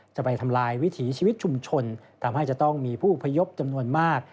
จะไปทำลายวิถีชีวิตชุมชนทำให้จะต้องมีผู้อพยพจำนวนมาก